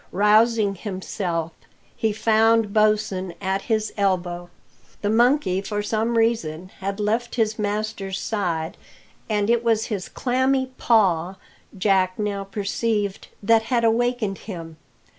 Rousing himself, he found Bosin at his elbow. The monkey for some reason had left his masters side, and it was his clammy paw, Jack now perceived, that had awakened him.